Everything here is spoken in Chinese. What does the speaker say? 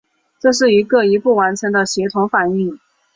这是一个一步完成的协同反应。